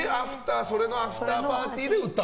それのアフターパーティーで歌った？